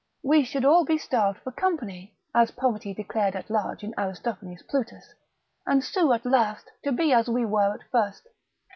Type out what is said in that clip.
We should all be starved for company, as Poverty declared at large in Aristophanes' Plutus, and sue at last to be as we were at first.